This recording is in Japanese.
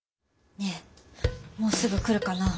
ねえもうすぐ来るかなあ？